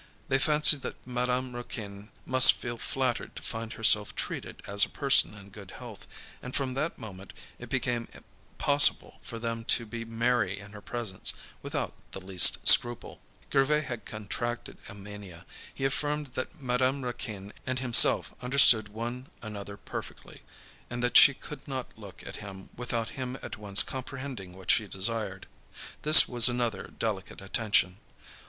They fancied that Madame Raquin must feel flattered to find herself treated as a person in good health; and, from that moment, it became possible for them to be merry in her presence, without the least scruple. Grivet had contracted a mania. He affirmed that Madame Raquin and himself understood one another perfectly; and that she could not look at him without him at once comprehending what she desired. This was another delicate attention.